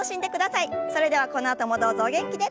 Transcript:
それではこのあともどうぞお元気で。